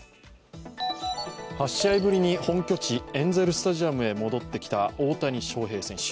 ８試合ぶりに本拠地エンゼルスタジアムへ戻ってきた大谷翔平選手。